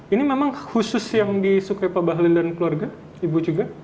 ini memang khusus yang disukai pak bahlil dan keluarga ibu juga